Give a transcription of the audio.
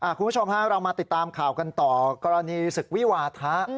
คุณผู้ชมฮะเรามาติดตามข่าวกันต่อกรณีศึกวิวาทะ